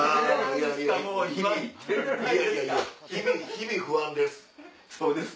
日々不安です。